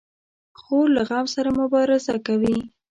خور له غم سره مبارزه کوي.